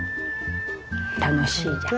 楽しいじゃん。